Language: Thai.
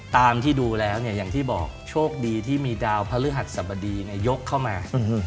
ตามที่ดูแล้วเนี่ยอย่างที่บอกโชคดีที่มีดาวพระฤหัสสบดียกเข้ามา